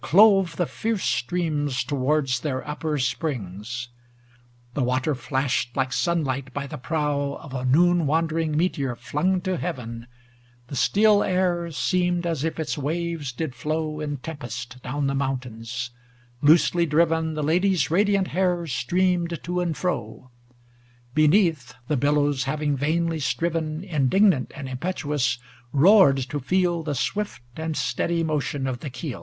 Clove the fierce streams towards their up per springs. XLVI The water flashed, like sunlight by the prow Of a noon wandering meteor flung to Heaven; The still air seemed as if its waves did flow In tempest down the mountains; loosely driven The lady's radiant hair streamed to and fro; Beneath, the billows, having vainly striven Indignant and impetuous, roared to feel The swift and steady motion of the keel.